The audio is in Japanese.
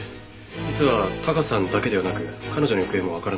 実はタカさんだけではなく彼女の行方もわからないんです。